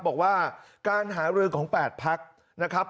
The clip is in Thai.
บอกว่าการหารือของ๘พักนะครับ